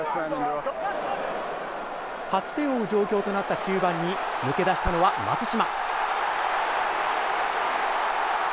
８点を追う状況となった中盤に抜け出したのは、松島。